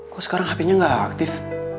kok sekarang hpnya gak aktif